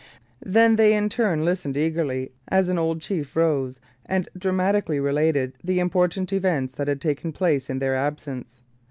Then they in turn listened eagerly as an old chief rose and dramatically related the important events that had taken place in their absence.